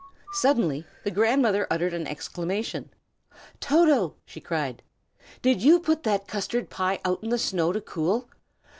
Suddenly the grandmother uttered an exclamation. "Toto!" she cried, "did you put that custard pie out in the snow to cool?